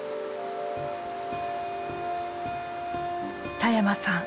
田山さん